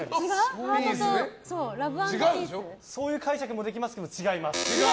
そういう解釈もできますけども違います。